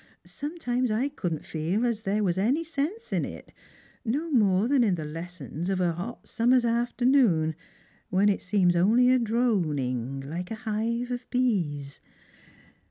Sometimes I couldn't feel as there was any sense in it, no more than in the Lessons of a hot summer's afternoon, when it seems only a droning, like a hive of bees."